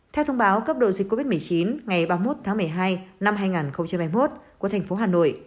theo thông báo cấp độ dịch covid một mươi chín ngày ba mươi một tháng một mươi hai năm hai nghìn hai mươi một của thành phố hà nội